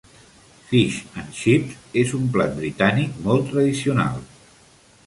"Fish and chips" és un plat britànic molt tradicional